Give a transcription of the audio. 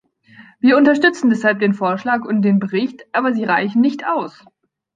Wir unterstützen deshalb den Vorschlag und den Bericht, aber sie reichen nicht aus.